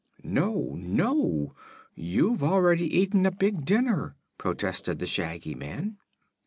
"No, no! You've already eaten a big dinner!" protested the Shaggy Man.